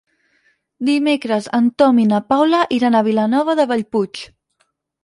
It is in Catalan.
Dimecres en Tom i na Paula iran a Vilanova de Bellpuig.